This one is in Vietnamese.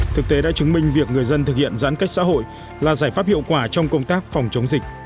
thực tế đã chứng minh việc người dân thực hiện giãn cách xã hội là giải pháp hiệu quả trong công tác phòng chống dịch